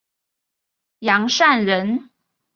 杨善人。